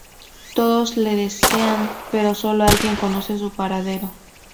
Todos la desean pero solo alguien conoce su paradero.